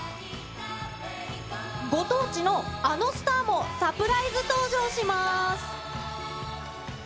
ご当地のあのスターもサプライズ登場します。